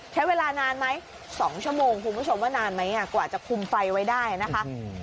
ใช้เวลานานไหม๒ชั่วโมงคุณผู้ชมว่านานไหมกว่าจะคุมไฟไว้ได้นะคะ